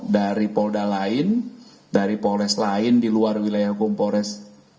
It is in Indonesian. dari polda lain dari polres lain di luar wilayah hukum polres